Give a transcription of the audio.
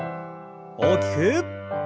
大きく。